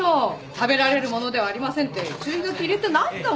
食べられる物ではありませんって注意書き入れてないんだもの。